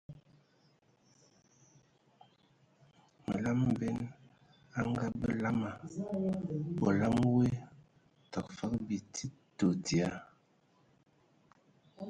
Məlam məben a ngabə lamaŋ, olam woe təgə fəg bi tsid tɔ dzia.